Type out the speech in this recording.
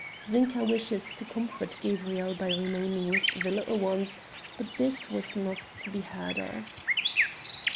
Zinka wishes to comfort Gabrielle by remaining with the little ones, but this was not to be heard of.